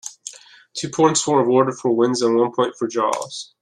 Two points were awarded for wins and one point for draws.